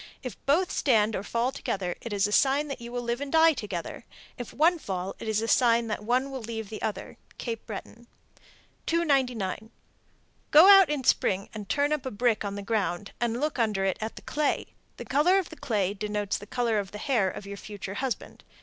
If both stand or fall together, it is a sign that you will live and die together. If one fall, it is a sign that one will leave the other. Cape Breton. 299. Go out in spring and turn up a brick on the ground, and look under it at the clay. The color of the clay denotes the color of the hair of your future husband.